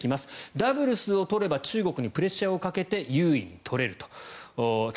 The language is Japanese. ダブルスを取れば中国にプレッシャーをかけて優位に立てると。